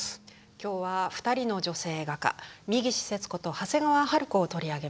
今日は２人の女性画家三岸節子と長谷川春子を取り上げます。